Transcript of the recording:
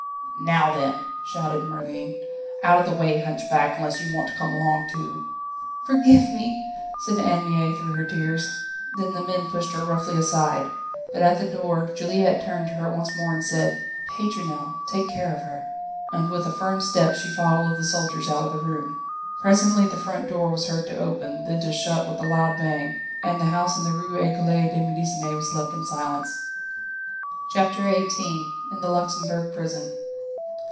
"Now then," shouted Merlin, "out of the way, hunchback, unless you want to come along too." "Forgive me," said Anne Mie through her tears. Then the men pushed her roughly aside. But at the door Juliette turned to her once more, and said: "Pétronelle take care of her ..." And with a firm step she followed the soldiers out of the room. Presently the front door was heard to open, then to shut with a loud bang, and the house in the Rue Ecole de Médecine was left in silence. CHAPTER XVIII In the Luxembourg prison.